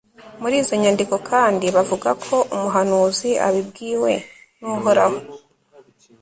muri izo nyandiko kandi, bavuga ko umuhanuzi abibwiwe n'uhoraho